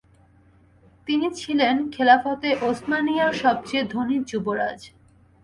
তিনি ছিলেন খেলাফতে ওসমানিয়ার সবচেয়ে ধনী যুবরাজ।